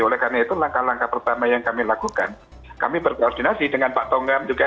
oleh karena itu langkah langkah pertama yang kami lakukan kami berkoordinasi dengan pak tongam juga